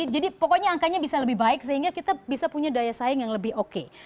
jadi pokoknya angkanya bisa lebih baik sehingga kita bisa punya daya saing yang lebih oke